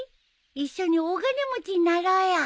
一緒に大金持ちになろうよ。